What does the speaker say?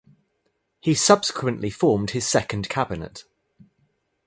He subsequently formed his second cabinet.